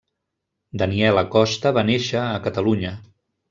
Daniela Costa va néixer a Catalunya.